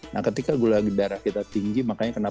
nah ketika gula darah kita tinggi makanya kenapa